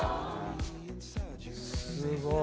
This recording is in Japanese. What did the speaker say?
「すごい！」